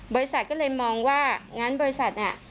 บริษัทก็เลยมองว่างั้นบริษัทเนี่ย